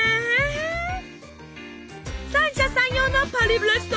三者三様のパリブレスト。